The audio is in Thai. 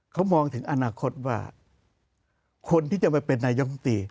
เขามองถึงอนาคตว่าคนที่จะมาเป็นนายกรรมตรี